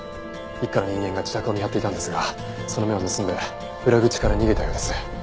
一課の人間が自宅を見張っていたんですがその目を盗んで裏口から逃げたようです。